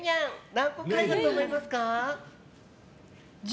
何個くらいだと思いますか？